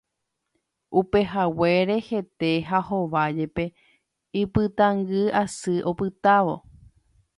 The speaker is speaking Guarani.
Upehaguére hete ha hóva jepe ipytãngy asy opytávo.